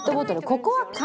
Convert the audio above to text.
ここは「缶」